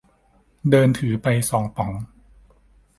เดินถือไปสองป๋อง